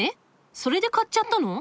それで買っちゃったの？